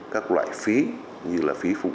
các loại phí như là phí phục